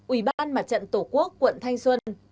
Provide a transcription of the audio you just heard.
ủy ban mặt trận tổ quốc quận thanh xuân